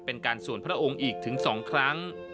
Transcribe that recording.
เป็นการสวนพระองค์อีกถึง๒ครั้ง